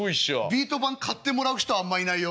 ビート板買ってもらう人あんまいないよ。